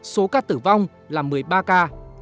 số ca tử vong là một mươi ba ca